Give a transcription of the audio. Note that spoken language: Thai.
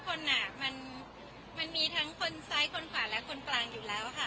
ผมคิดว่าในประเทศไทยทุกคนอ่ะมันมีทั้งคนซ้ายคนขวาและคนกลางอยู่แล้วค่ะ